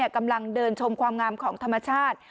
กำลังเดินชมความงามของธรรมชาติ